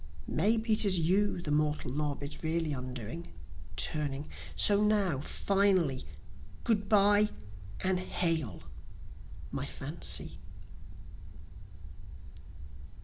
May be it is you the mortal knob really undoing, turning so now finally, Good bye and hail! my Fancy.